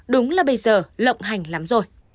đúng là bây giờ lộng hành lắm rồi